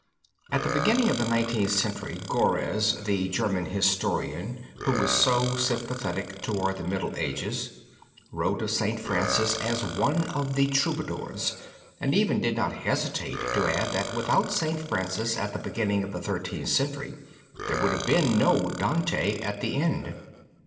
At the beginning of the Nineteenth Century Görres, the German historian who was so sympathetic towards the Middle Ages, wrote of St. Francis as one of the Troubadours, and even did not hesitate to add that without St. Francis at the beginning of the Thirteenth Century there would have been no Dante at the end.